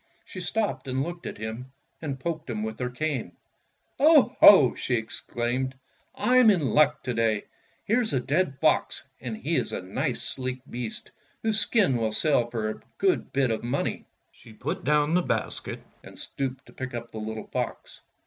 She stopped and looked at him and poked him with hei cane. "Oho!" she exclaimed, "I'm in luck to day. Here's a dead fox, and he is a nice, sleek beast whose skin will sell for a good bit of money." She put down the basket and stooped to pick up the little fox.